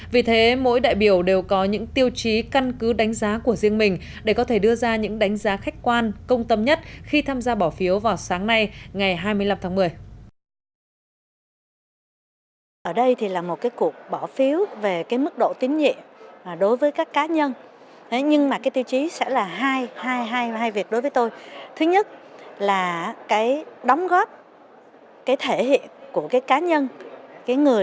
vì thế mỗi đại biểu đều có những tiêu chí căn cứ đánh giá của riêng mình để có thể đưa ra những đánh giá khách quan công tâm nhất khi tham gia bỏ phiếu vào sáng nay ngày hai mươi năm tháng một mươi